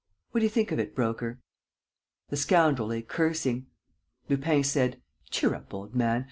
... What do you think of it, Broker?" The scoundrel lay cursing. Lupin said: "Cheer up, old man!